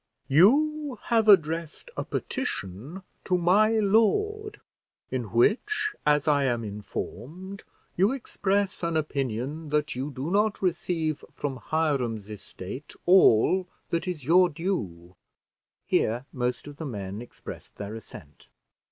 "You have addressed a petition to my lord, in which, as I am informed, you express an opinion that you do not receive from Hiram's estate all that is your due." Here most of the men expressed their assent.